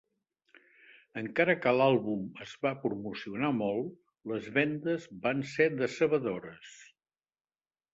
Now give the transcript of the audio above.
Encara que l'àlbum es va promocionar molt, les vendes van ser decebedores.